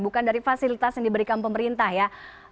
bukan dari fasilitas yang diberikan pemerintah ya